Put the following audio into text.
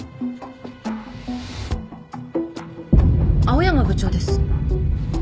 青山部長です。